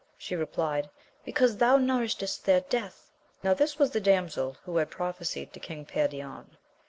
She replied, because thou nourishest their death. Now this was the damsel who had pro phesied to King Perion.